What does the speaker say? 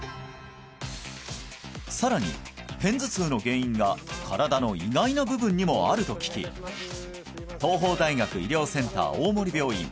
さらに片頭痛の原因が身体の意外な部分にもあると聞き東邦大学医療センター大森病院